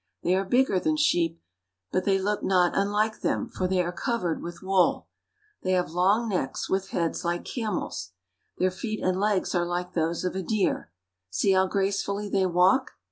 They are bigger than sheep, but they look not unlike them, for they are covered with wool. They have long necks, with heads like a camel's. Their Llamas. feet and legs are like those of a deer. See how gracefully^ they walk.